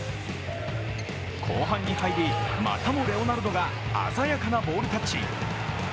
後半に入り、またもレオナルドが鮮やかなボールタッチ。